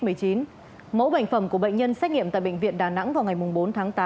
mẫu bệnh phẩm của bệnh nhân xét nghiệm tại bệnh viện đà nẵng vào ngày bốn tháng tám